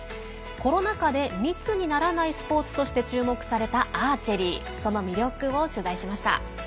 コロナ禍で密にならないスポーツとして注目されたアーチェリー。こその魅力を取材しました。